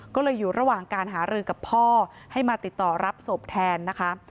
ก็เลยอยู่ระหว่างการหารือกับพ่อให้มาติดต่อรับศพแทนนะคะ